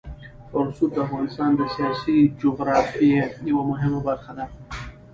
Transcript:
رسوب د افغانستان د سیاسي جغرافیه یوه مهمه برخه ده.